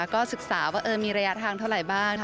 ก็ศึกษาว่ามีระยะทางเท่าไหร่บ้าง